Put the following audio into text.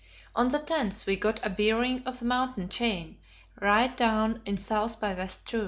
On the 10th we got a bearing of the mountain chain right down in south by west true.